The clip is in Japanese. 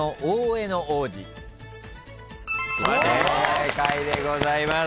正解でございます。